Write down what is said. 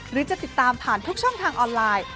หรือจะติดตามผ่านทุกช่องทางออนไลน์